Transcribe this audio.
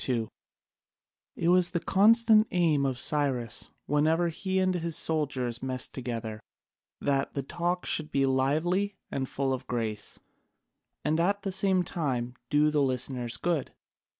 [C.2] It was the constant aim of Cyrus whenever he and his soldiers messed together, that the talk should be lively and full of grace, and at the same time do the listeners good.